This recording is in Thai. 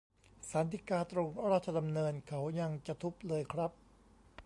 ศาลฎีกาตรงราชดำเนินเขายังจะทุบเลยครับ